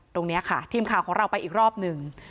ตรงนี้ค่ะทีมข่าวของเราไปอีกรอบหนึ่ง